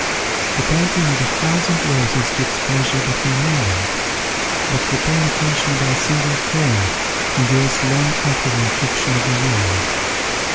The perfume of a thousand roses gives pleasure but for a moment; but the pain occasioned by a single thorn endures long after the infliction of the wound.